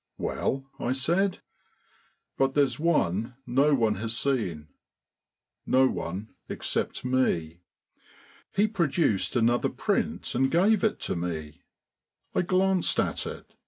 "Well?" I said. "But there's one no one has seen no one except me." He produced another print and gave it to me. I glanced at it.